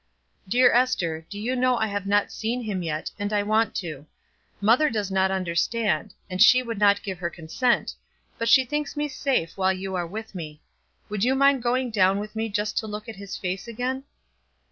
"Dear Ester, do you know I have not seen him yet, and I want to. Mother does not understand, and she would not give her consent, but she thinks me safe while you are with me. Would you mind going down with me just to look at his face again?"